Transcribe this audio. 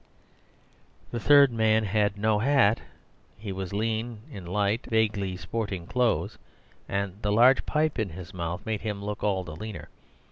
The third man had no hat; he was lean, in light, vaguely sporting clothes, and the large pipe in his mouth made him look all the leaner.